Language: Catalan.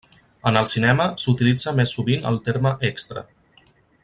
En el cinema, s'utilitza més sovint el terme extra.